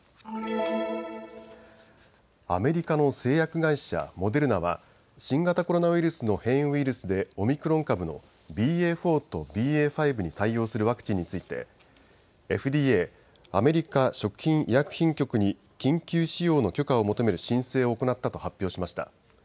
アメリカの製薬会社、モデルナは新型コロナウイルスの変異ウイルスでオミクロン株のＢＡ．４とＢＡ．５に対応するワクチンについてＦＤＡ・アメリカ食品医薬品局に緊急使用の許可を求める申請を行ったと発表しました。